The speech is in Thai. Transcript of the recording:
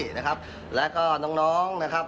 และก็น้องและก็ทุกคนใน๑๓ตัว